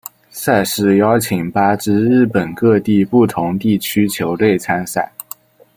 赛事邀请八支日本各地不同地区球队参赛。